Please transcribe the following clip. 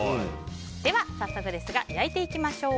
では早速ですが焼いていきましょう。